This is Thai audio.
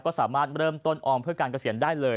ก็สามารถเริ่มต้นออมเพื่อการเกษียณได้เลย